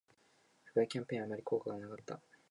不買キャンペーンはあまり効果がなかった